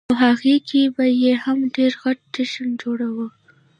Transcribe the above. نوهغې کې به یې هم ډېر غټ جشن جوړاوه.